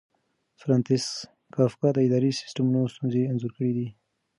فرانتس کافکا د اداري سیسټمونو ستونزې انځور کړې دي.